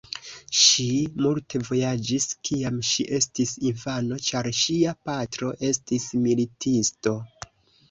Ŝi multe vojaĝis kiam ŝi estis infano, ĉar ŝia patro estis militisto.